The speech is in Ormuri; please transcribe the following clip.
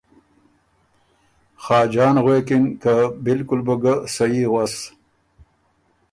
“ خاجان غوېکِن که ”بالکل بُو ګه صحیح غؤس“